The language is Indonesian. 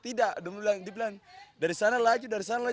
tidak dia bilang dari sana laju dari sana laju